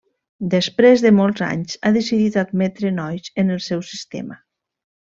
Després de molts anys ha decidit admetre nois en el seu sistema.